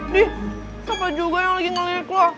dih siapa juga yang lagi ngeliat lo